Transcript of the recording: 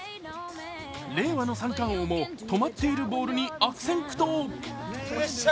令和の三冠王も止まっているボールに悪戦苦闘。